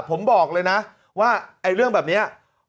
ผมบอกเลยนะว่าไอ้เรื่องแบบนี้